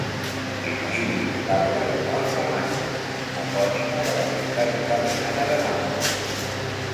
Virgili parla d'una altra Manto, epònima de la ciutat italiana de Màntua.